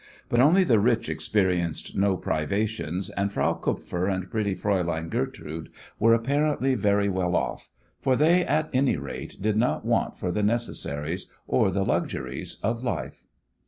But only the rich experienced no privations, and Frau Kupfer and pretty Fraulein Gertrude were apparently very well off, for they, at any rate, did not want for the necessaries or the luxuries of life.